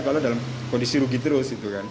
kalau dalam kondisi rugi terus